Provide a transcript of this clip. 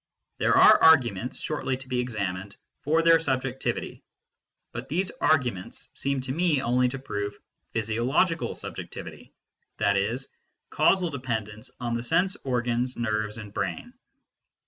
There are arguments, shortly to be examined, for their sub jectivity, but these arguments seem to me only to prove physiologicaj_s\^]e.ciivity, i.e. causal dependence on the sense organs, nerves, and brain.